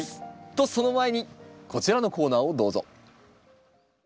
とその前にこちらのコーナーをどうぞ。